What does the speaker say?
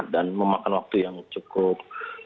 dan memakan waktu yang cukup